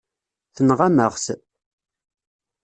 Tenɣam-aɣ-t.